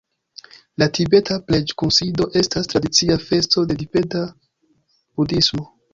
La tibeta preĝ-kunsido estas tradicia festo de tibeta budhismo.